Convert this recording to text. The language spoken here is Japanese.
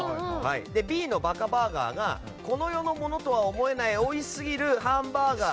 Ｂのバカバーガーがこの世のものとは思えないおいしすぎるハンバーガー。